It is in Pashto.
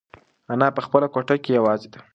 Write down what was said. انا په خپله کوټه کې یوازې ده.